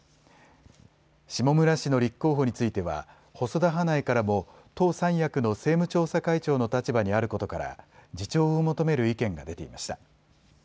下村氏の立候補については細田派内からも党三役の政務調査会長の立場にあることから自重を求める意見が出ていました。